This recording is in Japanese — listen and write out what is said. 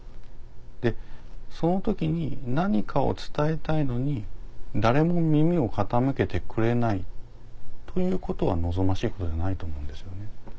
でその時に何かを伝えたいのに誰も耳を傾けてくれないということは望ましいことではないと思うんですよね。